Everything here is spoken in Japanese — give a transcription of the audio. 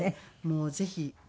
もうぜひ。